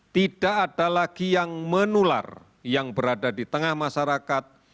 tidak ada lagi yang menular yang berada di tengah masyarakat